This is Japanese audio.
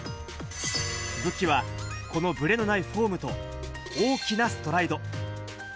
武器は、このぶれのないフォームと大きなストライド。